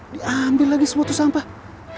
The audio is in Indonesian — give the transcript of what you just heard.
diambil lagi sebuah sampah